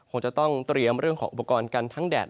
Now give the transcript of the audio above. คงจะต้องเตรียมเรื่องของอุปกรณ์กันทั้งแดด